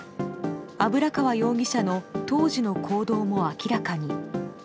油川容疑者の当時の行動も明らかに。